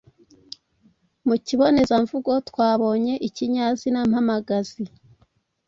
Mu kibonezamvugo twabonye ikinyazina mpamagazi.